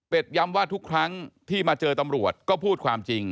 เป็นย้ำว่าทุกครั้งที่มาเจอตำรวจก็พูดความจริง